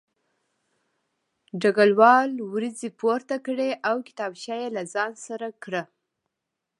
ډګروال وروځې پورته کړې او کتابچه یې له ځان سره کړه